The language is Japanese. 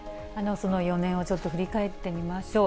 その４年をちょっと振り返ってみましょう。